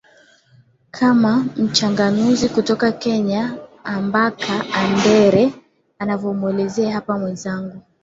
kama mchanganuzi kutoka kenya ambaka andere anavyomweleza hapa mwenzangu